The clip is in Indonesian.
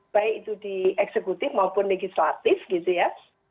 baik itu di eksekutif maupun legislatif gitu ya